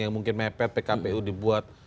yang mungkin mepet pkpu dibuat